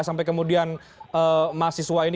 sampai kemudian mahasiswa ini